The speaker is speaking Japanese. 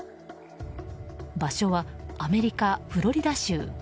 場所はアメリカ・フロリダ州。